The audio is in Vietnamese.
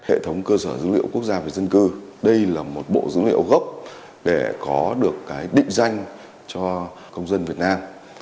hệ thống cơ sở dữ liệu quốc gia về dân cư đây là một bộ dữ liệu gốc để có được cái định danh cho công dân việt nam